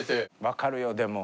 分かるよでも。